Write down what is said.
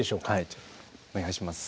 はいお願いします。